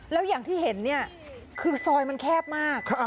แล้วอย่างที่เห็นเนี่ยคือซอยมันแคบมาก